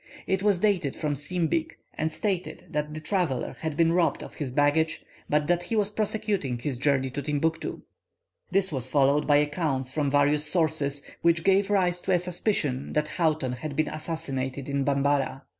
It was dated from Simbing, and stated that the traveller had been robbed of his baggage, but that he was prosecuting his journey to Timbuctoo. This was followed by accounts from various sources, which gave rise to a suspicion that Houghton had been assassinated in Bambara.